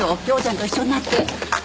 匡ちゃんと一緒になって。